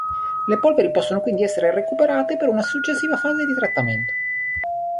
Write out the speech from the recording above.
Le polveri possono quindi essere recuperate per una successiva fase di trattamento.